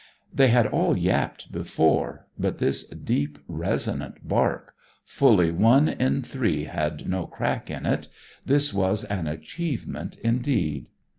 They had all yapped before, but this deep, resonant bark fully one in three had no crack in it this was an achievement indeed.